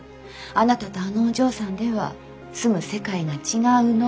あなたとあのお嬢さんでは住む世界が違うの。